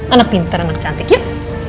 anak pintar anak cantik ya